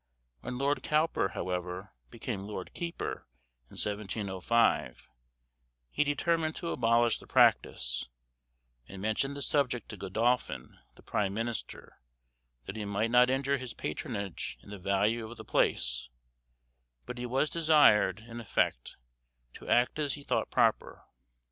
When Lord Cowper, however, became lord keeper, in 1705, he determined to abolish the practice, and mentioned the subject to Godolphin, the prime minister, that he might not injure his patronage in the value of the place, but he was desired, in effect, to act as he thought proper.